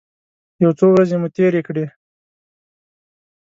یو څو ورځې مو تېرې کړې.